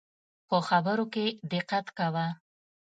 په خبرو کي دقت کوه